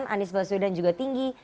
anies baswena juga tinggi